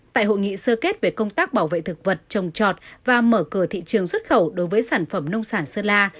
tại hội nghị sơ kết về công tác bảo vệ thực vật trồng trọt và mở cửa thị trường xuất khẩu đối với sản phẩm nông sản sơn la